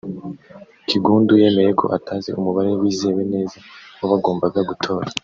Kiggundu yemeye ko atazi umubare wizewe neza w’abagombaga gutora